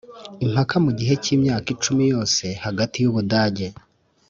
impaka mu gihe k imyaka cumi yose hagati y u Budage